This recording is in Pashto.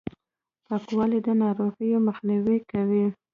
پاکوالي، د ناروغیو مخنیوی کوي!